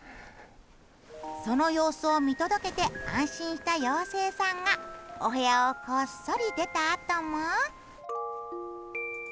その様子を見届けて安心した妖精さんがお部屋をこっそり出たあとも。